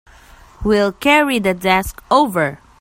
We'll carry the desk over.